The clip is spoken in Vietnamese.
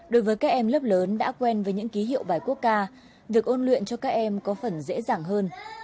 đối với các em lớp lớn đã quen với những ký hiệu bài quốc ca việc ôn luyện cho các em có phần dễ dàng hơn